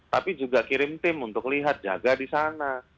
tapi juga kirim tim untuk lihat jaga di sana